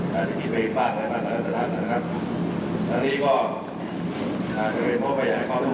แค่ไม่ว่าจะเห็นผมทำอะไรเข้าตามผมเดี๋ยวเป็นเหตุผลของท่าน